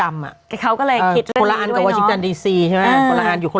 อ่ะแต่เขาก็เลยคิดคนละอันนี่ด้วยเพราะว่าอันอยู่คน